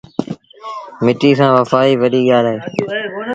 مٽيٚ سآݩ وڦآئيٚ وڏي ڳآل اهي۔